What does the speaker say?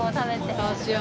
そうしよう。